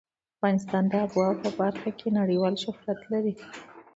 افغانستان د آب وهوا په برخه کې نړیوال شهرت لري.